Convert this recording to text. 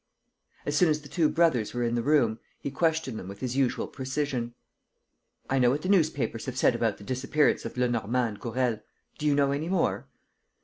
As soon as the two brothers were in the room, he questioned them with his usual precision: "I know what the newspapers have said about the disappearance of Lenormand and Gourel. Do you know any more?"